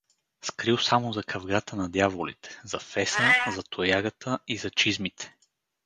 Скрил само за кавгата на дяволите, за феса, за тоягата и за чизмите.